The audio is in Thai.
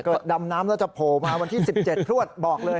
ก็ดำน้ำก็จะโผล่มาวันที่๑๗ทวดบอกเลย